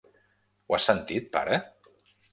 Ho has sentit, pare?